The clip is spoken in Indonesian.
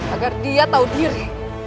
agar dia tahu diri